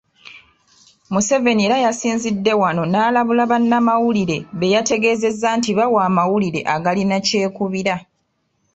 Museveni era yasinzidde wano n'alabula bannamawulire be yategeezezza nti bawa amawulire agalina kyekubira.